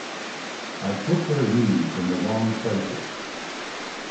I put their knees in the wrong places.